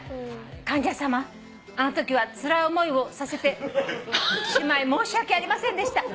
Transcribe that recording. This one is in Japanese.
「患者さまあのときはつらい思いをさせてしまい申し訳ありませんでした」